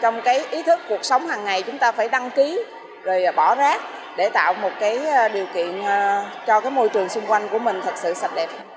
trong ý thức cuộc sống hàng ngày chúng ta phải đăng ký rồi bỏ rác để tạo một điều kiện cho môi trường xung quanh của mình thật sự sạch đẹp